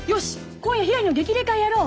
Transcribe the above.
今夜ひらりの激励会やろう！